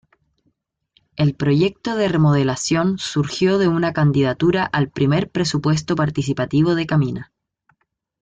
El proyecto de remodelación surgió de una candidatura al primer Presupuesto Participativo de Camina.